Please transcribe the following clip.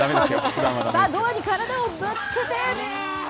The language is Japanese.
ドアに体をぶつけて。